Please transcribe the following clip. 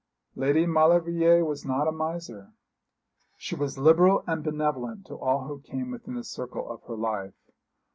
Lady Maulevrier was not a miser. She was liberal and benevolent to all who came within the circle of her life.